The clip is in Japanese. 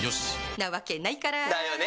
な訳ないから。だよね。